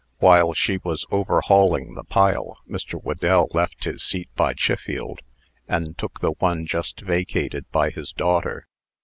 While she was overhauling the pile, Mr. Whedell left his seat by Chiffield, and took the one just vacated by his daughter.